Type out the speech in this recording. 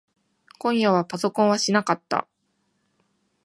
今夜はパソコンはしなかった。